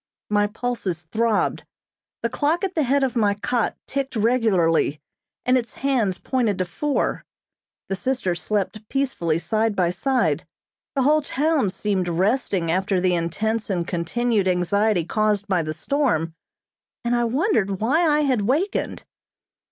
My pulses throbbed. The clock at the head of my cot ticked regularly, and its hands pointed to four. The sisters slept peacefully side by side. The whole town seemed resting after the intense and continued anxiety caused by the storm, and I wondered why I had wakened.